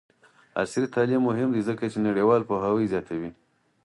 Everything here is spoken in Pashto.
عصري تعلیم مهم دی ځکه چې نړیوال پوهاوی زیاتوي.